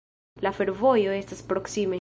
La fervojo estas proksime.